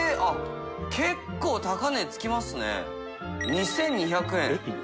２２００円。